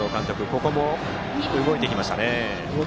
ここも動いてきましたね。